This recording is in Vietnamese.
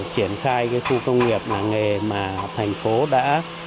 triển khai cái khu công nghiệp là nghề mà thành phố đã